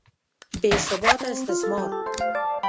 بې ثباته استثمار.